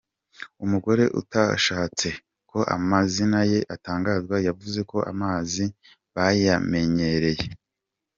Umugore utashatse ko amazina ye atangazwa yavuze ko amazi bayamenyereye.